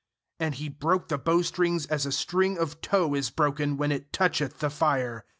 And he broke the bowstrings as a string of tow is broken when it toucheth the fire.